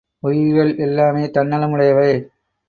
உயிர்கள் எல்லாமே தன்னலம் உடையவை.